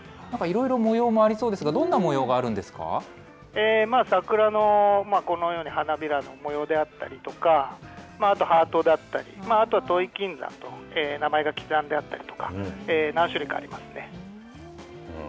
なんか、いろいろ模様もありそうですが、どんな模様があるん桜のこのように花びらの模様であったりとか、あとハートであったり、あと土肥金山と名前が刻んであったりとか、何種類かありますね。